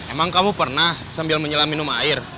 emang kamu pernah sambil menyelam minum air